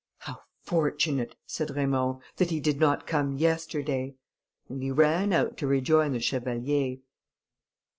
"How fortunate!" said Raymond, "that he did not come yesterday;" and he ran out to rejoin the chevalier.